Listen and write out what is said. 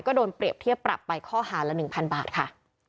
ก็โดนเปรียบเทียบปรับไปข้อหาละ๑๐๐บาทค่ะ